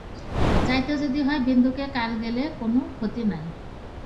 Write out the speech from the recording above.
যাইতে যদি হয় বিন্দুকে, কাল গেলে কোনো ক্ষতি নাই।